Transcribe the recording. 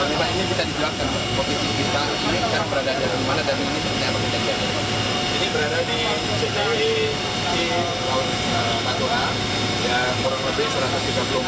ini berada di sekitar laut natuna kurang lebih satu ratus tiga puluh mil di kumpul laut seluruh natuna